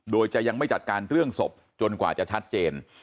โดยจะยังไม่จัดการเรื่องศพจนกว่าจะชัดเจน